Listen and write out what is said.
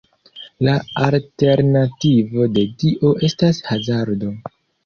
La alternativo de dio estas hazardo.